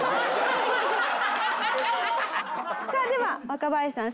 さあでは若林さん